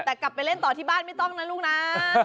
แต่กลับไปเล่นต่อที่บ้านไม่ต้องนะลูกนะ